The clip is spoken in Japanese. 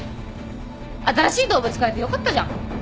新しい動物飼えてよかったじゃん。